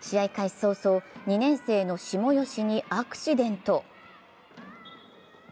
早々、２年生の下吉にアクシデント。